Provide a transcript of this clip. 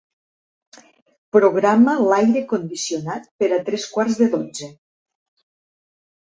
Programa l'aire condicionat per a tres quarts de dotze.